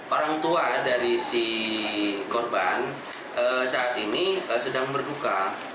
orang tua dari si korban saat ini sedang berduka